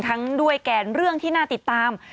ด้วยแกนเรื่องที่น่าติดตาม